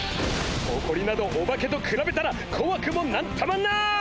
ほこりなどオバケとくらべたらこわくも何ともない！